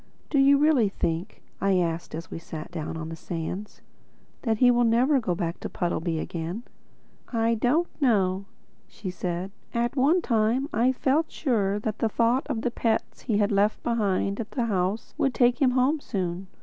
"Do you really think," I asked as we sat down on the sands, "that he will never go back to Puddleby again?" "I don't know," said she. "At one time I felt sure that the thought of the pets he had left behind at the house would take him home soon.